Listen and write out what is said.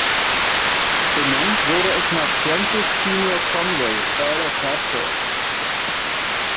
Benannt wurde es nach Francis Seymour Conway, Earl of Hertford.